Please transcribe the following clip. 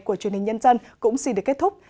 của truyền hình nhân dân cũng xin được kết thúc